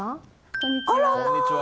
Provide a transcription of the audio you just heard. こんにちは。